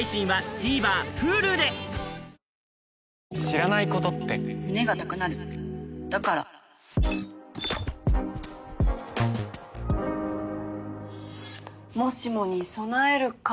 過去の知らないことって胸が高鳴るだから「もしもに備える」かぁ。